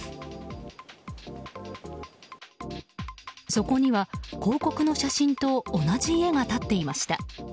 そこには広告の写真と同じ家が立っていました。